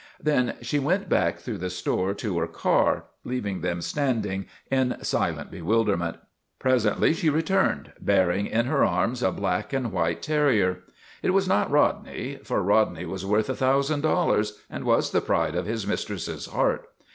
Then she went back through the store to her car, leaving them standing in silent bewilder ment. Presently she returned, bearing in her arms a black and white terrier. It was not Rodney, for Rodney was worth a thousand dollars and was the pride of his mistress's heart.